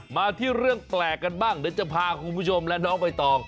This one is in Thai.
มาที่เรื่องแปลกกันบ้างเดี๋ยวจะพาคุณผู้ชมและน้องใบตอง